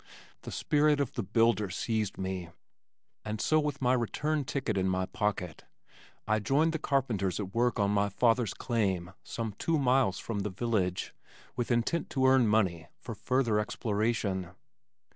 The spirit of the builder seized me and so with my return ticket in my pocket, I joined the carpenters at work on my father's claim some two miles from the village with intent to earn money for further exploration.